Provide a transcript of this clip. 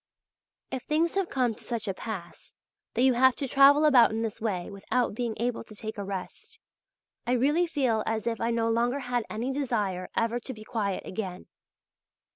If things have come to such a pass that you have to travel about in this way without being able to take a rest, I really feel as if I no longer had any desire ever to be quiet again.